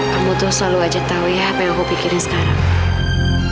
kamu tuh selalu aja tau ya apa yang aku pikirin sekarang